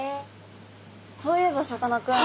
そういえばさかなクン。